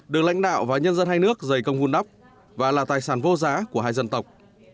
được lãnh đạo và nhân dân hai nước dày công vun đắp và là tài sản vô giá của hai dân tộc